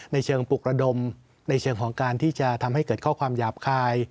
ในเชิงปลุกระดมในเชิงของการที่จะทำให้เกิดข้อความหยาบคาย